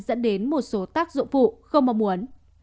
dẫn đến một số tác dụng phụ không mong muốn